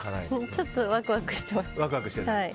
ちょっとワクワクしてます。